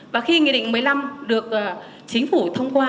và khi nghị định một mươi năm được chính phủ thông qua